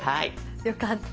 よかった。